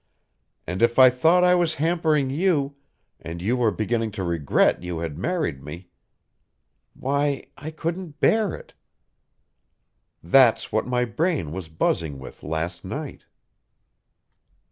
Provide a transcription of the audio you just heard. And if I thought I was hampering you, and you were beginning to regret you had married me why, I couldn't bear it. That's what my brain was buzzing with last night."